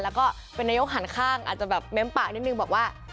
แล้วก็เป็นนายกหันข้างอาจจะแบบเม้มปากนิดนึงบอกว่า